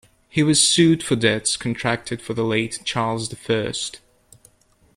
He was sued for debts contracted for the late Charles the First.